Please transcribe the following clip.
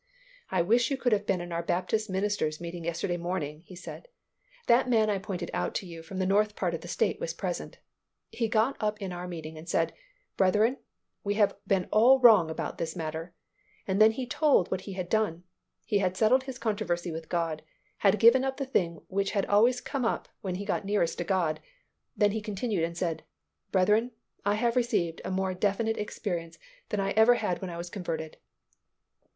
"I wish you could have been in our Baptist ministers' meeting yesterday morning," he said; "that man I pointed out to you from the north part of the state was present. He got up in our meeting and said, 'Brethren, we have been all wrong about this matter,' and then he told what he had done. He had settled his controversy with God, had given up the thing which had always come up when he got nearest to God, then he continued and said, 'Brethren, I have received a more definite experience than I had when I was converted.